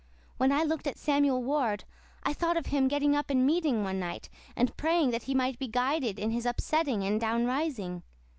When I looked at Samuel Ward I thought of him getting up in meeting one night, and praying that he might be guided in his upsetting and downrising.